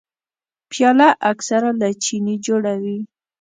پیاله اکثره له چیني جوړه وي.